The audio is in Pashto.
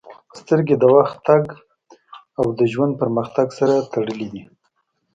• سترګې د وخت تګ او د ژوند پرمختګ سره تړلې دي.